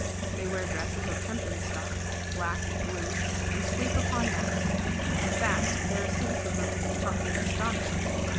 ^'' They wear dresses of hempen stuff, black and blue,^® and sleep upon mats ; in fact their asceticism is something astonishing.